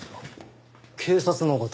警察の方？